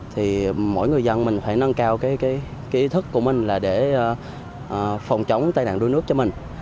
thì mỗi người dân mình phải nâng cao cái cái cái ý thức của mình là để phòng chống tai nạn đuôi nước cho mình